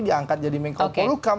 diangkat jadi mengkopolukam